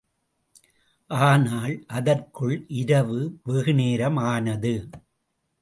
ஆனால், அதற்குள் இரவு வெகுநேரம் ஆனது.